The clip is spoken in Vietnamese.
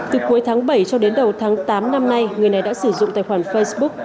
từ cuối tháng bảy cho đến đầu tháng tám năm nay người này đã sử dụng tài khoản facebook